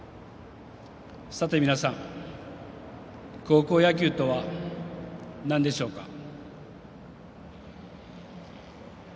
さて、皆さん高校野球とはなんでしょうか。